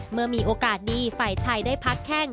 เมื่อมีโอกาสดีฝ่ายชายได้พักแข้ง